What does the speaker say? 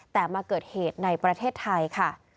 แต่มาเกิดเหตุในประเทศไทยค่ะ